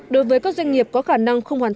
đối với các doanh nghiệp có khả năng không hoàn